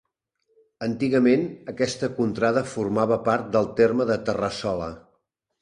Antigament aquesta contrada formava part del terme de Terrassola.